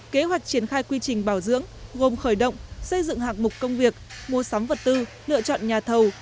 kế hoạch triển khai quy trình bảo dưỡng gồm khởi động xây dựng hạng mục công việc mua sắm vật tư lựa chọn nhà thầu